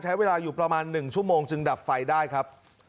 ใช้เวลาอยู่ประมาณ๑ชั่วโมงจึงดับไฟได้ครับ